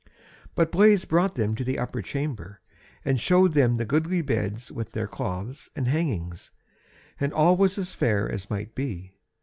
But Blaise brought them to the upper chamber, and showed them the goodly beds with their cloths, and hangings, and all was as fair as might be.